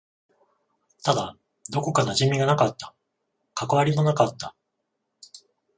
ただ、どこか馴染みがなかった。関わりもなかった。